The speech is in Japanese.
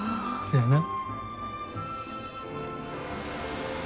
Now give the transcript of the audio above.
そやな。